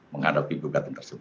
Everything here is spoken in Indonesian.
menghadapi gugatan tersebut